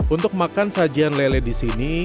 untuk makan sajian lele disini